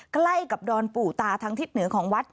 ใกล้กับดอนปู่ตาทางทิศเหนือของวัด